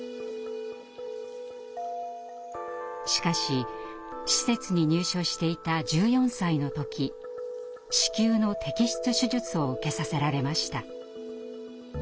しかし施設に入所していた１４歳の時子宮の摘出手術を受けさせられました。